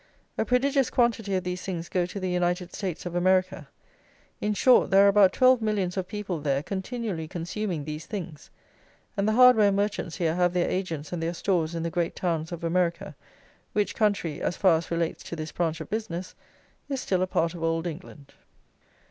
A prodigious quantity of these things go to the United States of America. In short, there are about twelve millions of people there continually consuming these things; and the hardware merchants here have their agents and their stores in the great towns of America, which country, as far as relates to this branch of business, is still a part of old England.